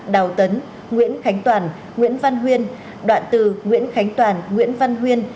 đào tấn nguyễn khánh toàn nguyễn văn huyên đoạn từ nguyễn khánh toàn nguyễn văn huyên